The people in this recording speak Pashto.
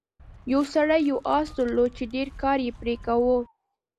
یو سړي یو اس درلود چې ډیر کار یې پرې کاوه.